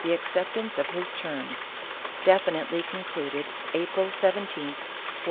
acceptance of his terms, definitely concluded April 17th, 1492.